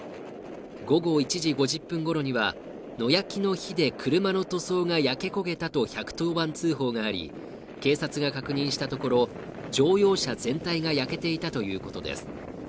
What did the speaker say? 午後１時５０分ごろには野焼きの日で車の塗装が焼け焦げたとの１１０番通報があり、警察が確認したところ、乗用車全体が焼けていたということです。